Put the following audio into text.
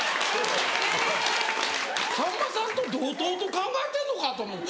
さんまさんと同等と考えてんのか？と思って。